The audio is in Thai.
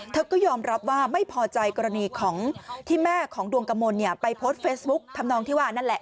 เธอก็ยอมรับว่าไม่พอใจกรณีของที่แม่ของดวงกมลไปโพสต์เฟซบุ๊กทำนองที่ว่านั่นแหละ